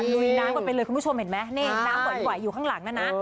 ลุยน้ำกันไปเลยคุณผู้ชมเห็นไหมนี่น้ำไหวอยู่ข้างหลังนะนะ